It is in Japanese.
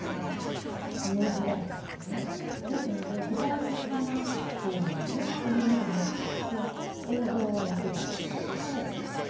ですので具体的な「氷水」っていうのを持ってきて映像を見せるっていうことを考えてみました。